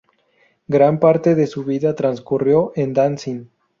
Gran parte de su vida transcurrió en Danzig.